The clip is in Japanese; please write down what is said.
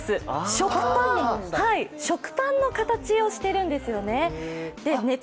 食パンの形をしてるんですよね。